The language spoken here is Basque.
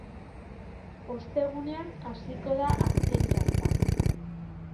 Ostegunean hasiko da azken txanpa.